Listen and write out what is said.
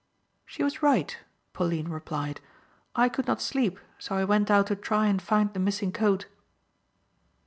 "She was right," Pauline replied, "I could not sleep so I went out to try and find the missing coat."